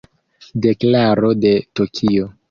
Deklaro de Tokio.